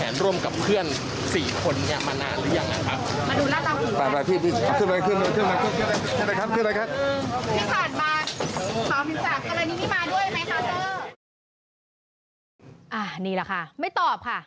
นี่แหละค่ะไม่ตอบค่ะ